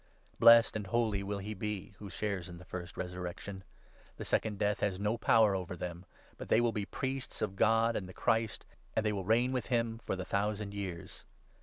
Blessed and holy will he be who 6 shares in that First Resurrection. The second Death has no power over them ; but they will be priests of God and the Christ, and they will reign with him for the thousand years.